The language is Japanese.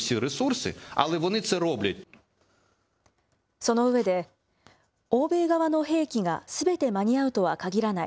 その上で、欧米側の兵器がすべて間に合うとはかぎらない。